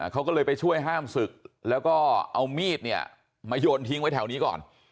เขาก็เลยไปช่วยห้ามศึกแล้วก็เอามีดเนี่ยมาโยนทิ้งไว้แถวนี้ก่อน